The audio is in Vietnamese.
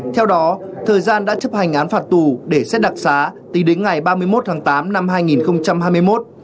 theo đó thời gian đã chấp hành án phạt tù để xét đặc xá tính đến ngày ba mươi một tháng tám năm hai nghìn hai mươi một